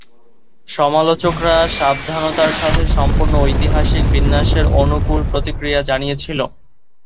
সমালোচকরা সাবধানতার সাথে সম্পন্ন ঐতিহাসিক বিন্যাসের অনুকূল প্রতিক্রিয়া জানিয়েছিল।